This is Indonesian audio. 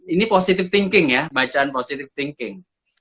ini positif thinking ya bacaan positif thinking